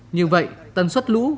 như vậy tần xuất lũ